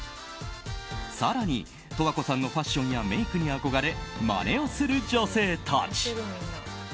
更に十和子さんのファッションやメイクに憧れまねをする女性たち。